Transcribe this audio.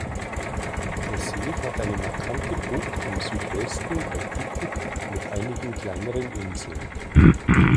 Der See hat eine markante Bucht im Südwesten bei Kukuk mit einigen kleineren Inseln.